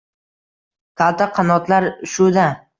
Kalta qanotlar — shu-da!»